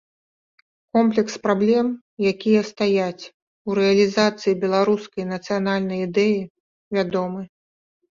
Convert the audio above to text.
Комплекс праблем, якія стаяць у рэалізацыі беларускай нацыянальнай ідэі, вядомы.